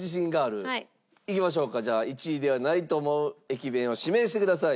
じゃあ１位ではないと思う駅弁を指名してください。